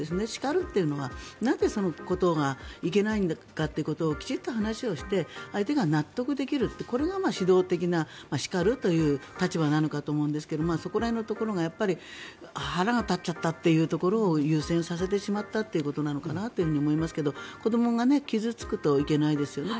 叱るというのはなぜ、そのことがいけないのかということをきちんと話をして相手が納得できるってこれが指導的な叱るという立場なのかなと思うんですがそこら辺が腹が立っちゃったというところを優先させてしまったのかなということなのかなと思いますが子どもが傷付くといけないですよね。